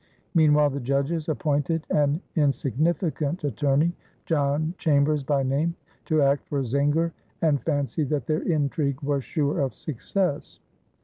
Meanwhile the judges appointed an insignificant attorney, John Chambers by name, to act for Zenger and fancied that their intrigue was sure of success.